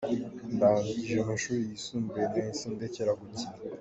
Ndangije amashuri yisumbuye nahise ndekera gukina.